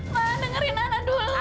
ma dengerin anak dulu